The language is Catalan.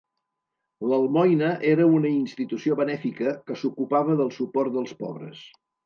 L'Almoina era una institució benèfica que s'ocupava del suport dels pobres.